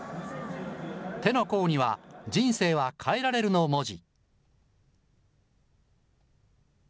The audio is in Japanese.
手の甲には、人生は変えられるの文字。